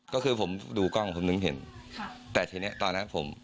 ก็คือผมดูกล้องผมนึงเห็นค่ะแต่ทีเนี้ยตอนนั้นผม